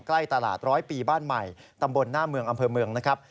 ใกล้ตลาดร้อยปีบ้านใหม่ตำบลหน้าเมืองอำเภอเมืองนะครับ